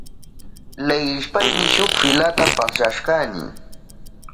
Leyishpayni shuk filata pasashkani.